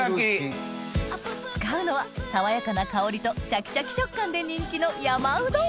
使うのは爽やかな香りとシャキシャキ食感で人気の山ウド